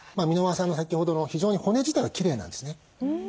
箕輪さんの先ほどの非常に骨自体はきれいなんですね。